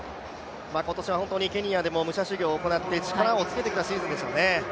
今年は本当にケニアでも武者修行を行って力をつけてきたシーズンでしたね。